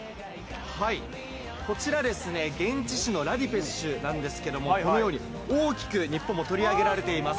こちら、現地紙のなんですけれども、このように、大きく日本、取り上げられています。